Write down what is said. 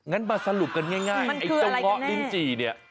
งั้นมาสรุปกันง่ายไอ้เจ้าเงาะลิ้นจี่เนี่ย